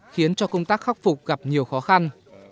khiến cho công tác khắc phục gặp nhiều khó khăn